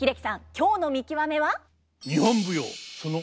今日の見きわめは？